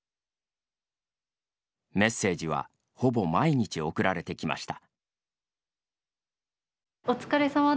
メッセージはほぼ毎日送られてきました。